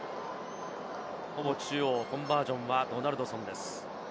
ほぼ中央、コンバージョンはドナルドソンです。